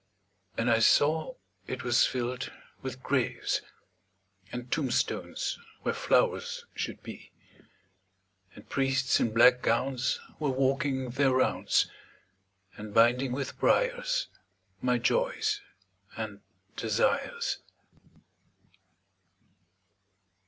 And I saw it was filled with graves, And tombstones where flowers should be; And priests in black gowns were walking their rounds, And binding with briars my joys and desires.